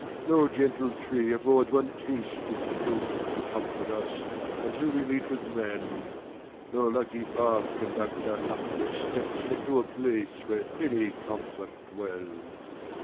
No gentle tree affords one taste of fruit, To comfort us, until we meet with men : 25 No lucky path conducts our luckless steps Unto a place where any comfort dwells.